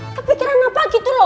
kepikiran apa gitu loh